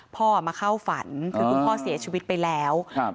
พ่อมาเข้าฝันคือคุณพ่อเสียชีวิตไปแล้วครับ